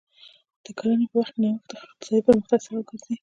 د کرنې په برخه کې نوښت د اقتصادي پرمختګ سبب ګرځي.